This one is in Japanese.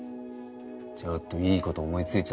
ちょっといいこと思いついちゃ。